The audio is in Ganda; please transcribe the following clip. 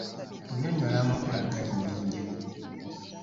Nnyonnyola amakulu agali mu linnya.